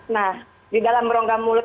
nah di dalam rongga mulut